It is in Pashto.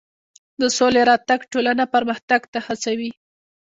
د سولې راتګ ټولنه پرمختګ ته هڅوي.